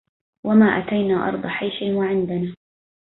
ولما أتينا أرض حيش وعندنا